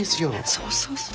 そうそうそう。